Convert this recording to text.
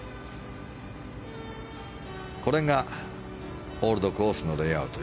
これがオールドコースのレイアウト。